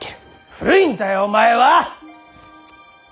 古いんだよお前は！